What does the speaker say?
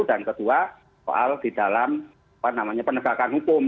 dan kedua soal di dalam penegakan hukum